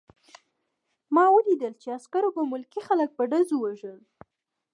ما ولیدل چې عسکرو به ملکي خلک په ډزو وژل